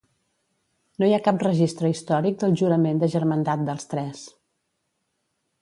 No hi ha cap registre històric del jurament de germandat dels tres.